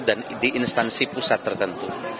dan di instansi pusat tertentu